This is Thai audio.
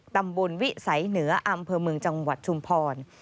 ตำบลวิสัยเหนืออำเภอเมืองจังหวัดชุมพร